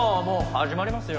始まりますよ